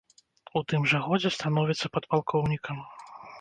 У тым жа годзе становіцца падпалкоўнікам.